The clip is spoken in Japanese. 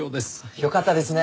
よかったですね。